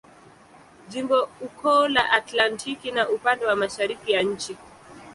Jimbo uko la Atlantiki na upande wa mashariki ya nchi.